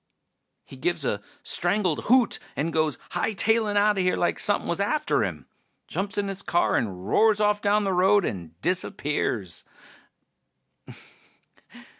He gives a strangled hoot and goes hightailin' outta here like somepin' was after him. Jumps in his car and roars off down the road and disappears.